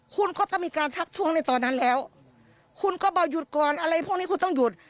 คุณก็ต้องมีการทักท้วงในตอนนั้นแล้วคุณก็บอกหยุดก่อนอะไรพวกนี้คุณต้องหยุด